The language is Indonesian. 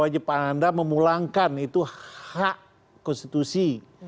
wajib anda memulangkan itu hak konstitusi